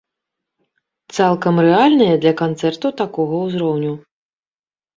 Цалкам рэальныя для канцэрту такога ўзроўню.